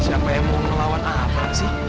siapa yang mau menolawan apaan sih